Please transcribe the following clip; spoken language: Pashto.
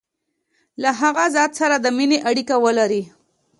له هغه ذات سره د مینې اړیکي ولري.